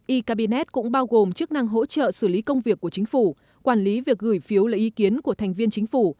e cabinet cũng bao gồm chức năng hỗ trợ xử lý công việc của chính phủ quản lý việc gửi phiếu lời ý kiến của thành viên chính phủ